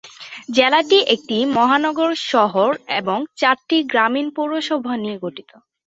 জেলাটি একটি মহানগর শহর এবং চারটি গ্রামীণ পৌরসভা নিয়ে গঠিত।